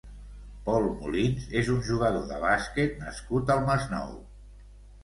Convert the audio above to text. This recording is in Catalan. Pol Molins és un jugador de bàsquet nascut al Masnou.